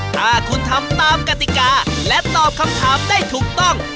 ถ้าคุณทำตามกติกาและตอบคำถามได้ถูกต้อง